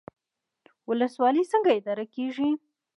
ولسوالۍ څنګه اداره کیږي؟